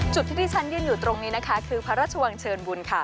จุดที่ที่ฉันยืนอยู่ตรงนี้นะคะคือพระราชวังเชิญบุญค่ะ